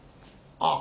あっ！